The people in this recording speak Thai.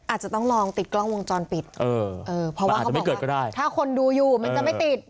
อาจจะต้องลองติดกล้องวงจรปิดเออเพราะว่าถ้าคนดูอยู่มันจะไม่ติด